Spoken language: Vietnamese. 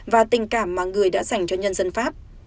và tình cảm mà người đã dành cho nhân dân pháp